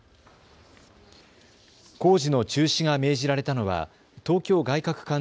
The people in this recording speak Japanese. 工事の中止が命じられたのは東京外かく